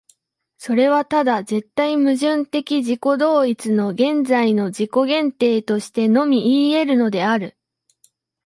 それはただ絶対矛盾的自己同一の現在の自己限定としてのみいい得るのである。